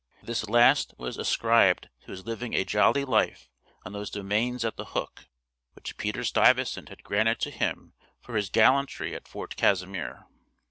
This last was ascribed to his living a jolly life on those domains at the Hook, which Peter Stuyvesant had granted to him for his gallantry at Fort Casimir.